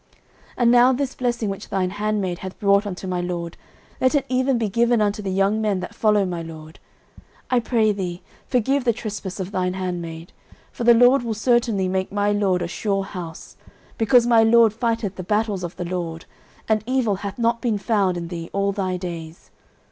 09:025:027 And now this blessing which thine handmaid hath brought unto my lord, let it even be given unto the young men that follow my lord. 09:025:028 I pray thee, forgive the trespass of thine handmaid: for the LORD will certainly make my lord a sure house; because my lord fighteth the battles of the LORD, and evil hath not been found in thee all thy days.